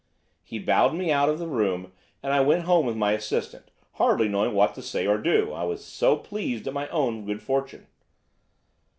He bowed me out of the room and I went home with my assistant, hardly knowing what to say or do, I was so pleased at my own good fortune.